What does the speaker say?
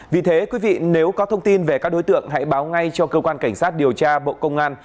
vì thế quý vị nếu có thông tin về các đối tượng hãy báo ngay cho cơ quan cảnh sát điều tra bộ công an